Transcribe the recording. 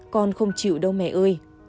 con không chịu đâu mẹ ơi